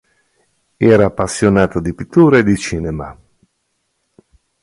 Era appassionato di pittura e di cinema.